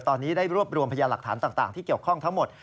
ตอนนี้ได้รวบรวมพยาหลักฐานต่างที่เกี่ยวข้องทั้งหมด